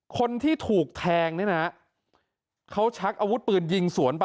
คนที่ถูกแทงเนี่ยนะเขาชักอาวุธปืนยิงสวนไป